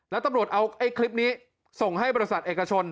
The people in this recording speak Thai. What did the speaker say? แล้วตำรวจเอาไอ้คลิปนี้ส่งให้บริษัทเอกชน